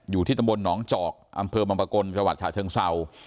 อยู่ที่ตำบลหนองจอกอำเภอบังปะกลจังหวัดฉะเชิงเศร้า